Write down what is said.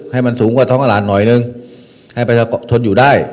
ให้มันสูงกว่าท้องอาหารหน่อยนึงให้ไปทดอยู่ได้